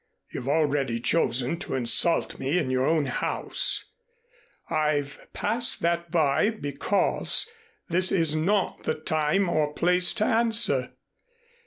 You've already chosen to insult me in your own house. I've passed that by, because this is not the time or place to answer.